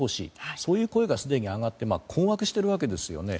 そういう声がすでに上がっていて困惑しているわけですよね。